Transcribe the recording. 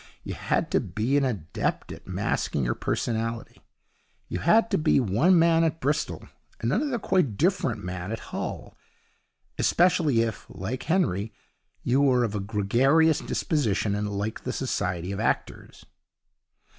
You had to be an adept at masking your personality. You had to be one man at Bristol and another quite different man at Hull especially if, like Henry, you were of a gregarious disposition, and liked the society of actors.